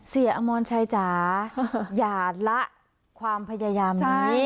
อมรชัยจ๋าอย่าละความพยายามนี้